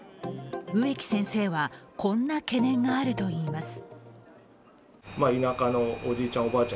植木先生はこんな懸念があるといいます。